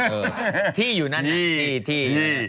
เออที่อยู่นั่นน่ะที่ที่